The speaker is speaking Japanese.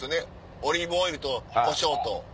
オリーブオイルとこしょうと。